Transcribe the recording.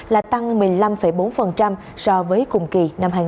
là tăng một mươi năm bốn so với cùng kỳ